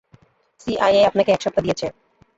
CIA আপনাকে এক সপ্তাহ দিয়েছে।